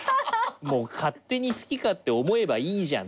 もう勝手に好き勝手思えばいいじゃんって。